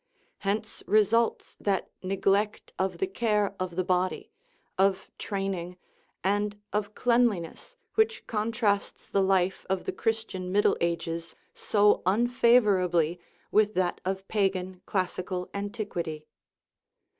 Hence results that neglect of the care of the body, of training, and of cleanliness which contrasts the life of the Christian Middle Ages so unfavorably with that of pagan classical antiquity.